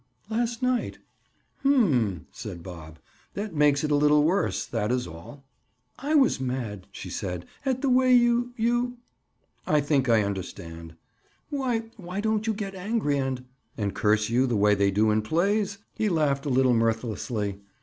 "Last night." "Hum!" said Bob. "That makes it a little worse, that is all." "I was mad," she said, "at the way you—you—" "I think I understand." "Why—why don't you get angry and—" "And curse you the way they do in plays?" He laughed a little mirthlessly.